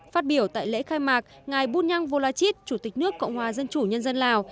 phát biểu tại lễ khai mạc ngài bunyang volachit chủ tịch nước cộng hòa dân chủ nhân dân lào